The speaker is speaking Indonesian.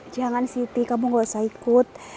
jangan siti kamu gak usah ikut